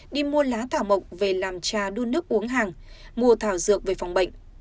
đi mua lá thảo mộc về làm trà đun nước uống hàng mua thảo dược về phòng bệnh